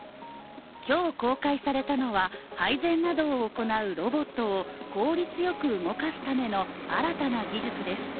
今日公開されたのは、配膳などを行うロボットを効率よく動かすための新たな技術です。